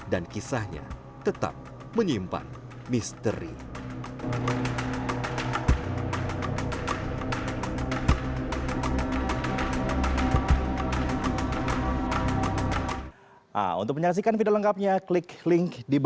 dan kisahnya tetap menyimpan misteri